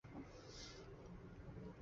他隶属民主党籍。